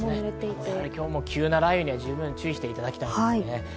今日も急な雷雨には十分ご注意していただきたいですね。